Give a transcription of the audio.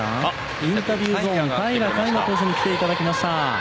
インタビューゾーン平良海馬投手に来ていただきました。